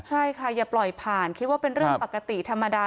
ใช่ค่ะอย่าปล่อยผ่านคิดว่าเป็นเรื่องปกติธรรมดา